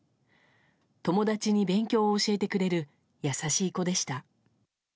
友達に勉強を教えてくれる優しい子でした。